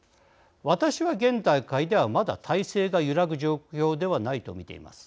私は、現段階ではまだ体制が揺らぐ状況ではないと見ています。